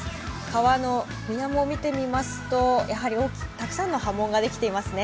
川のみなもを見てみますと、大きくたくさんの波紋ができていますね。